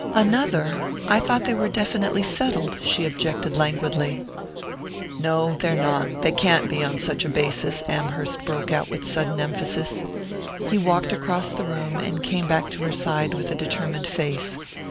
"Another? I thought they were definitely settled," she objected languidly. "No they're not; they can't be, on such a basis," Amherst broke out with sudden emphasis. He walked across the room, and came back to her side with a determined face.